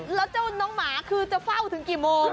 แล้วนกหมาคือมันจะเฝ้าถึงกี่โมง